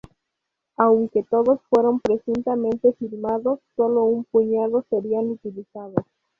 Aunque todos fueron presuntamente filmados, sólo un puñado serían utilizados.